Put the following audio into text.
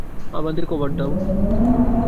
আমাদের কভার দাও!